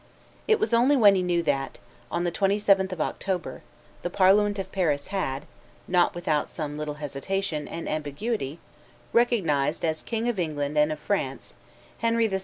It was only when he knew that, on the 27th of October, the parliament of Paris had, not without some little hesitation and ambiguity, recognized "as King of England and of France, Henry VI.